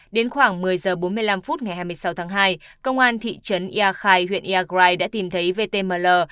đến khoảng một mươi giờ bốn mươi năm phút ngày hai mươi sáu tháng hai công an thị trấn ia khai huyện ia grai đã tìm thấy vtml